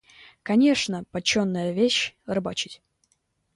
Конечно, почтенная вещь – рыбачить.